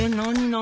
何？